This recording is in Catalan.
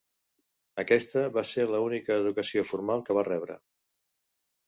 Aquesta va ser l'única educació formal que va rebre.